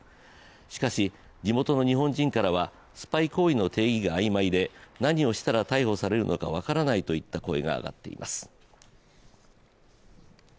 しかし地元の日本人からはスパイ行為の定義があいまいで何をしたら逮捕されるのか分からないといった声が上がっています。